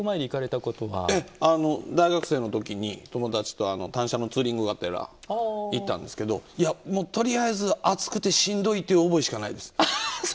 大学生のときに友達と単車のツーリングがてら行ったんですけどとりあえず暑くてしんどいという思いしかないです。